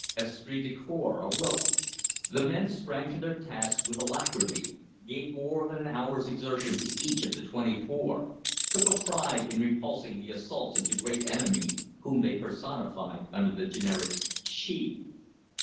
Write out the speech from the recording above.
Esprit de corps awoke. The men sprang to their tasks with alacrity, gave more than an hour's exertion to each of the twenty four, took a pride in repulsing the assaults of the great enemy, whom they personified under the generic "She."